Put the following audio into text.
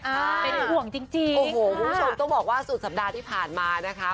อ่าโอ้โหคุณผู้ชมจริงเราต้องบอกว่าสุดสัปดาห์ที่ผ่านมานะคะ